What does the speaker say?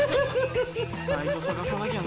バイト探さなきゃね。